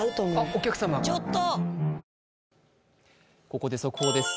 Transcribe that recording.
ここで速報です。